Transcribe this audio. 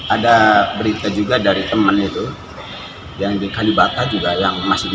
ada berita juga dari teman itu yang di kalibata juga yang masih di